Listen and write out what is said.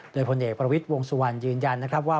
โดยพลเอกประวิทย์วงสุวรรณยืนยันนะครับว่า